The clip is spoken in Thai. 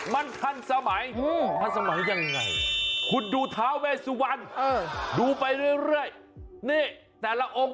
มันคันสมัยคุณดูทาเวสวันดูไปเรื่อยเห้ยแต่ละองค์